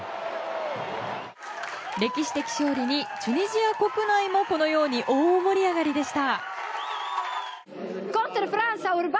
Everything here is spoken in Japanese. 歴史的勝利にチュニジア国内もこのように大盛り上がりでした。